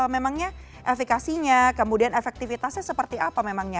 memangnya efekasinya kemudian efektivitasnya seperti apa memangnya